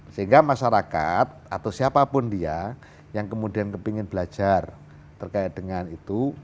sehingga masyarakat atau siapapun dia yang kemudian ingin belajar terkait dengan itu